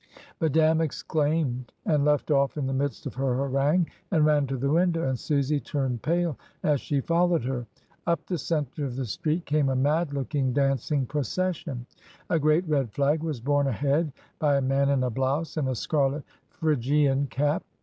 Madame exclaimed, and left off in the midst of her harangue and ran to the window, and Susy turned pale as she followed her. Up the centre of the street came a mad looking, dancing procession. A great red flag was borne ahead by a man in a blouse and a scarlet Phrygian cap.